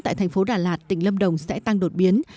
tại thành phố đà lạt tỉnh lâm đồng sẽ tăng đột biến